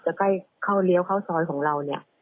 ใกล้เข้าเลี้ยวเข้าซอยของเราเนี่ย